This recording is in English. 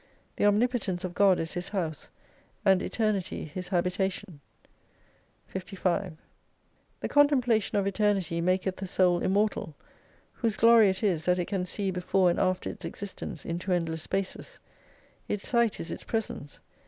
The Omnipotence of God is his House, and Eternity his habitation* 55 The contemplation of Eternity maketli the Soul immortal. Whose glory it is, that it can see before and after its existence into endless spaces. Its Sight is its presence.